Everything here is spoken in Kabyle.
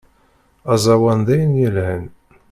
Azawan dayen yelhan.